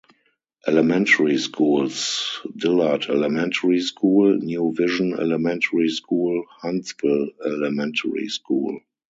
Elementary Schools: Dillard Elementary School, New Vision Elementary School, Huntsville Elementary School.